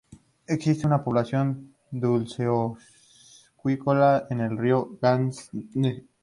Existe una población dulceacuícola en el río Yangtze.